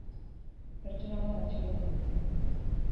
Pertsona bat atxilotu dute.